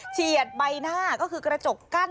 เฉียดใบหน้าก็คือกระจกกั้น